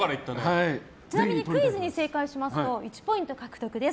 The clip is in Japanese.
ちなみにクイズに正解しますと１ポイント獲得です。